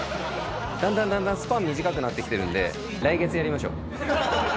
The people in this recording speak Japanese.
だんだんだんだん、スパン短くなってきてるんで、来月やりましょう。